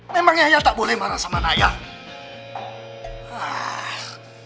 memangnya ayah tak boleh marah sama anak ayah